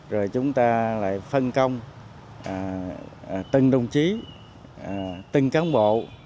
rồi chúng ta lại phân công từng đồng chí từng cán bộ